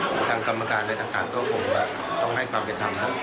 ก็ทางกรรมการอะไรต่างก็คงว่าต้องให้ความเป็นทางนะครับ